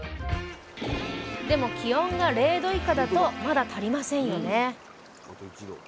でも気温が０℃以下だとまだ足りませんよね？